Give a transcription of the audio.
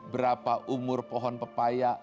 berapa umur pohon pepaya